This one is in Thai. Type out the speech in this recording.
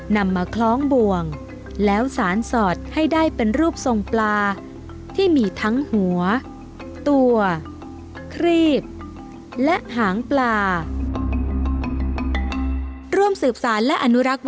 นำมาคล้องบ่วงแล้วสารสอดให้ได้เป็นรูปทรงปลาที่มีทั้งหัวตัวครีบและหางปลา